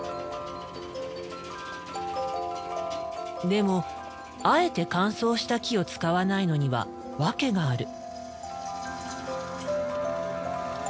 でもあえて乾燥した木を使わないのには訳がある。